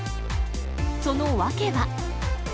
その訳は。